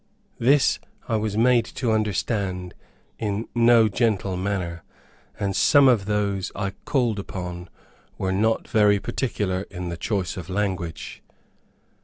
This I was made to understand in no gentle manner; and some of those I called upon were not very particular in the choice of language.